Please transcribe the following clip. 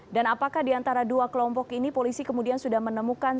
dan apakah di antara dua kelompok ini polisi kemudian sudah menemukan